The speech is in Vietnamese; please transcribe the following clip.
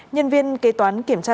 nhân viên kế toán kiểm tra